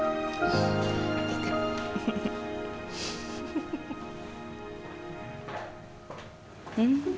pokoknya sekarang aku suapin